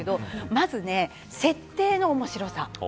まず、設定の面白さ。